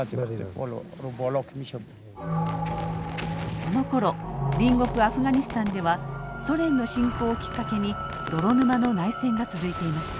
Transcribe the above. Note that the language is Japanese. そのころ隣国アフガニスタンではソ連の侵攻をきっかけに泥沼の内戦が続いていました。